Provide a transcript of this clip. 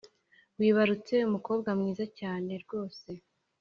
wibarutse umukobwa mwiza cyane rwose